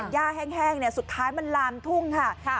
ย่าแห้งสุดท้ายมันลามทุ่งค่ะ